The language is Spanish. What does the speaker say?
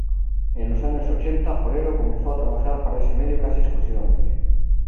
En los años ochenta, Forero comenzó a trabajar para ese medio casi exclusivamente.